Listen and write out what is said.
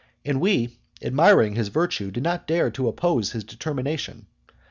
And we, admiring his virtue, did not dare to oppose his determination.